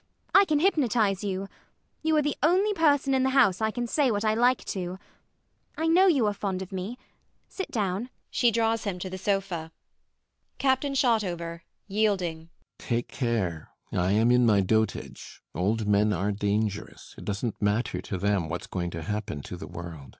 I can hypnotize you. You are the only person in the house I can say what I like to. I know you are fond of me. Sit down. [She draws him to the sofa]. CAPTAIN SHOTOVER [yielding]. Take care: I am in my dotage. Old men are dangerous: it doesn't matter to them what is going to happen to the world.